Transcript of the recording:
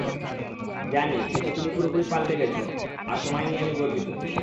জানি, কিন্তু তুমি পুরোপুরি পালটে গেছ, আর তোমায় নিয়ে আমি গর্বিত।